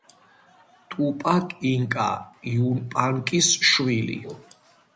ტუპაკ ინკა იუპანკის შვილი.